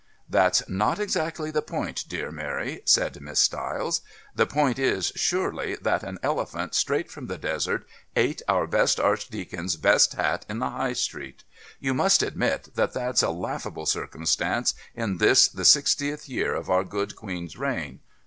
"That's not exactly the point, dear Mary," said Miss Stiles. "The point is, surely, that an elephant straight from the desert ate our best Archdeacon's best hat in the High Street. You must admit that that's a laughable circumstance in this the sixtieth year of our good Queen's reign.